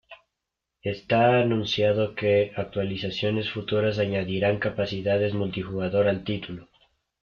Está anunciado que actualizaciones futuras añadirán capacidades multijugador al título.